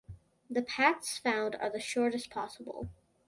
The paths found are the shortest possible.